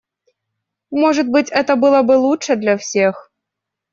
Может быть это было бы лучше для всех.